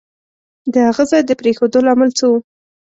د هغه ځای د پرېښودو لامل څه وو؟